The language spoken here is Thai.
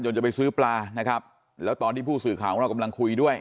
จะไปซื้อปลานะครับแล้วตอนที่ผู้สื่อข่าวของเรากำลังคุยด้วย